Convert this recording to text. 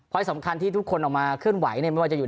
พอิสสำคัญที่ทุกคนออกมาเคลื่อนไหวเนี่ย